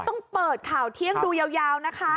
ต้องเปิดข่าวเที่ยงดูยาวนะคะ